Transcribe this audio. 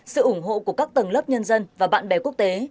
sự ủng hộ của các tầng lớp nhân dân và bạn bè quốc tế